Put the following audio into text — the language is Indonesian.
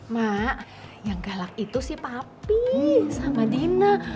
mak yang galak itu si papi sama dina